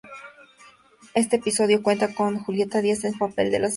Este episodio cuenta con Julieta Díaz, en el papel de la asesina.